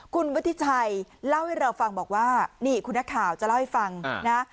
คุณวุฒิชัยเล่าให้เราฟังบอกว่านี่คุณนักข่าวจะเล่าให้ฟังนะ